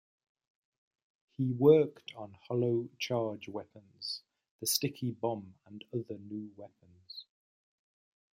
He worked on hollow charge weapons, the sticky bomb and other new weapons.